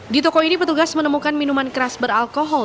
di toko ini petugas menemukan minuman keras beralkohol